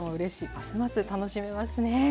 ますます楽しめますね。